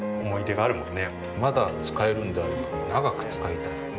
まだ使えるんであれば長く使いたい。